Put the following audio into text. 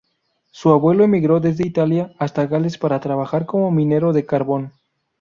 Su abuelo emigró desde Italia hasta Gales para trabajar como minero de carbón.